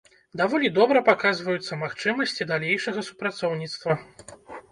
Даволі добра паказваюцца магчымасці далейшага супрацоўніцтва.